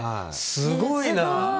すごいな。